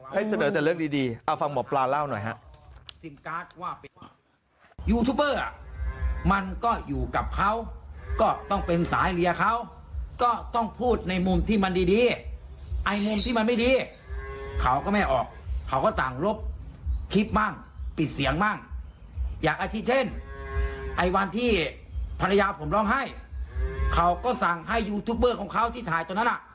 ให้เสนอแต่เรื่องดีเอาฟังหมอปลาเล่าหน่อยฮะ